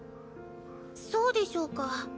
そうでしょうか。